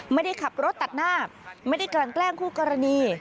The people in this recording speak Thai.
ไม่ได้ขับรถตัดหน้าไม่ได้กลั่นแกล้งคู่กรณี